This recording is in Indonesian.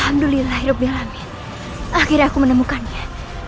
alhamdulillahirrahmanirrahim akhirnya aku menemukannya